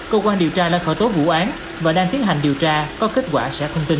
cơ quan điều tra đã khởi tố vụ án và đang tiến hành điều tra có kết quả sẽ thông tin